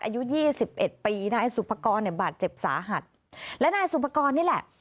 อายุยี่สิบเอ็ดปีนายสุภกรเนี่ยบาดเจ็บสาหัสและนายสุภกรนี่แหละ